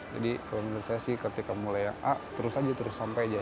jadi kalau menurut saya sih ketika mulai yang a terus aja terus sampai jadi